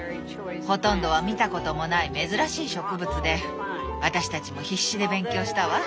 ほとんどは見たこともない珍しい植物で私たちも必死で勉強したわ。